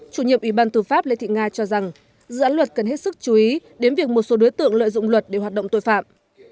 chủ nhiệm ủy ban tư pháp lê thị nga cho rằng dự án luật cần hết sức chú ý đến việc một số đối tượng lợi dụng luật để hoạt động tội phạm